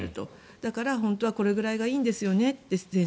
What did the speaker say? だから本当はこれぐらいがいいんですよねって、先生